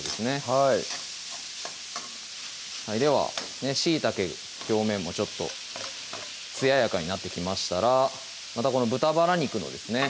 はいではしいたけ表面もちょっとつややかになってきましたらまたこの豚バラ肉のですね